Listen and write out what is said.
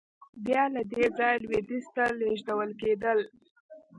بیا له دې ځایه لوېدیځ ته لېږدول کېدل.